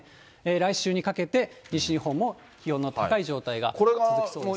来週にかけて西日本も気温の高い状態が続きそうですね。